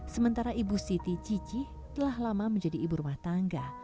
sementara ibu siti cici telah lama menjadi ibu rumah tangga